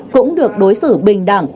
cũng được đối xử bình đẳng